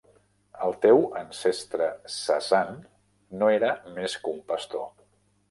El teu ancestre Sasan no era més que un pastor.